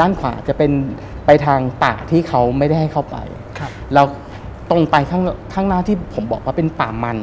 ด้านขวาจะเป็นไปทางป่าที่เขาไม่ได้ให้เข้าไปครับแล้วตรงไปข้างข้างหน้าที่ผมบอกว่าเป็นป่ามัน